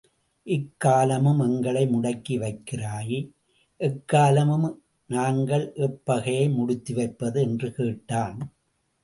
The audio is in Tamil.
இக்காலமும் எங்களை முடக்கி வைக்கிறாய் எக்காலம் நாங்கள் எம் பகையை முடித்து வைப்பது என்று கேட்டான்.